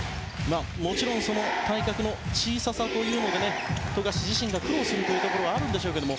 もちろんその体格の小ささで富樫自身が苦労するというところはあるんでしょうけれども